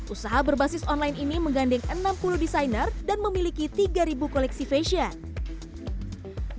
usaha berbasis online ini menggandeng enam puluh desainer dan memiliki tiga koleksi fashion